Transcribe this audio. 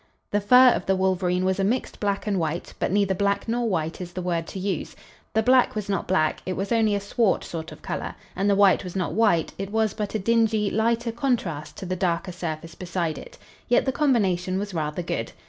The fur of the wolverine was a mixed black and white, but neither black nor white is the word to use. The black was not black; it was only a swart sort of color, and the white was not white; it was but a dingy, lighter contrast to the darker surface beside it. Yet the combination was rather good.